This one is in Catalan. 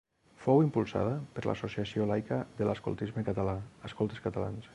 Fou impulsada per l'associació laica de l'Escoltisme Català, Escoltes Catalans.